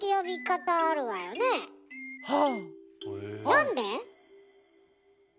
なんで？